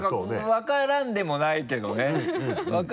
分からんでもないけど。